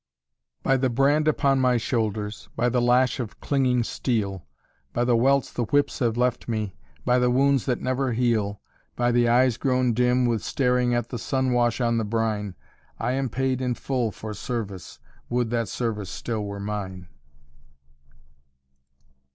'" "By the brand upon my shoulders, By the lash of clinging steel, By the welts the whips have left me, By the wounds that never heal, By the eyes grown dim with staring At the sun wash on the brine, I am paid in full for service, Would that service still were mine."